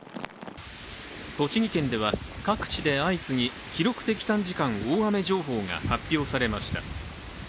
栃木県では各地で相次ぎ記録的短時間大雨情報が発表されました。